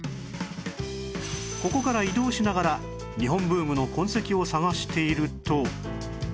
ここから移動しながら日本ブームの痕跡を探していると